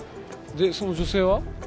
でその女性は？